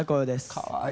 かわいい。